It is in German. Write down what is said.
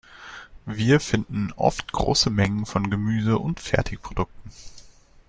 Wir finden oft große Mengen von Gemüse und Fertigprodukten.